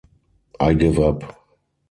I give up.